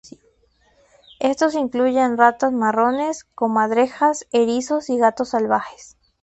Estos incluyen ratas marrones, comadrejas, erizos y gatos salvajes.